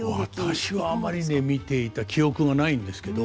私はあまりね見ていた記憶がないんですけど。